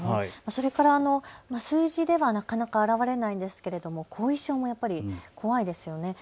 それから数字ではなかなか現れないんですけれども後遺症もやっぱり怖いですよね。